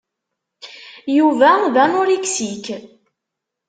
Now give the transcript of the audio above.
Yuba d anuriksik.